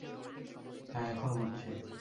হ্যাঁ, এখন বুঝছি।